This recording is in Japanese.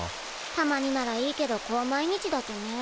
たまにならいいけどこう毎日だとね。